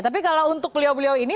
tapi kalau untuk beliau beliau ini